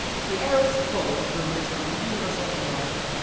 The air is full of rumours of universal war.